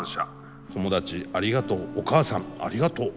友達ありがとうお母さんありがとう」。